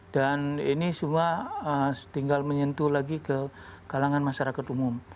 dan ini semua tinggal menyentuh lagi ke kalangan masyarakat umum